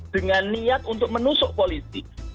dengan niat untuk menusuk politik